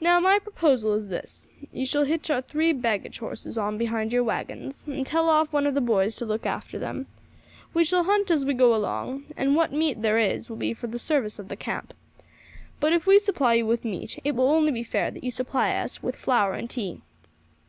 Now my proposal is this: you shall hitch our three baggage horses on behind your waggons, and tell off one of the boys to look after them; we shall hunt as we go along, and what meat there is will be for the service of the camp, but if we supply you with meat it will only be fair that you supply us with flour and tea."